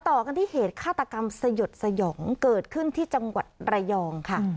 ต่อกันที่เหตุฆาตกรรมสยดสยองเกิดขึ้นที่จังหวัดระยองค่ะ